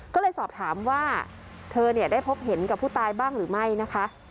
ก็เลยสอบถามว่าเธอได้พบเห็นกับผู้ตายบ้างหรือไม่นะคะ